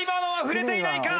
触れていないか？